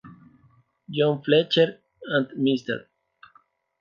John Fletcher and Mr.